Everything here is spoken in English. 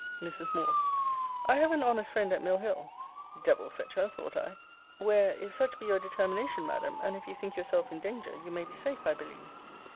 Mrs. Moore. I have an honest friend at Mill Hill, [Devil fetch her! thought I,] where, if such be your determination, Madam, and if you think yourself in danger, you may be safe, I believe.